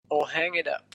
I'll hang it up.